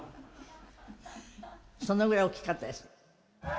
そのぐらい大きかったです。